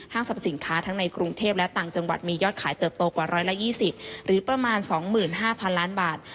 สรรพสินค้าทั้งในกรุงเทพและต่างจังหวัดมียอดขายเติบโตกว่า๑๒๐หรือประมาณ๒๕๐๐๐ล้านบาท